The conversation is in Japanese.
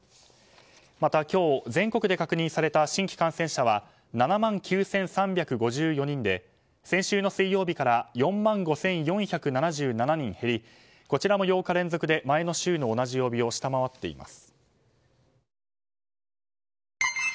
また、今日全国で確認された新規感染者は７万９３５４人で先週の水曜日から４万５４７７人減りこちらも８日連続で前の週の同じ曜日を下回っています。